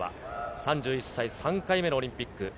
３１歳、３回目のオリンピック。